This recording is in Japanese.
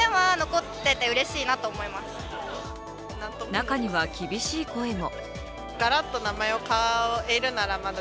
中には厳しい声も。